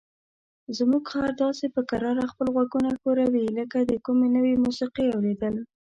زموږ خر داسې په کراره خپل غوږونه ښوروي لکه د کومې نوې موسیقۍ اوریدل.